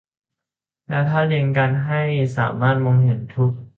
แล้ววางเรียงกันให้สามารถมองเห็นทุก